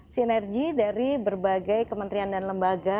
sinergi dari berbagai kementerian dan lembaga